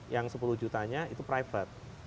yang sepuluh jutanya itu private